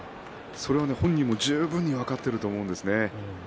本人は十分に分かってると思うんですね。